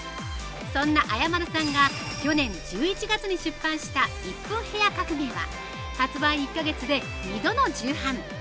そんなアヤマルさんが去年１１月に出版した「１分ヘア革命」は発売１か月で２度の重版！